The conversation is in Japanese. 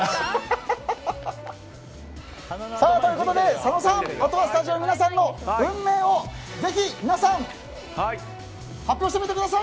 佐野さん、あとはスタジオの皆さんの運命をぜひ皆さん発表してみてください。